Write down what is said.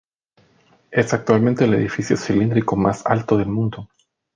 Es actualmente el edificio cilíndrico más alto del mundo.